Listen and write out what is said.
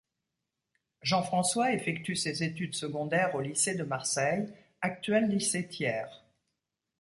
Jean François effectue ses études secondaires au lycée de Marseille, actuel lycée Thiers.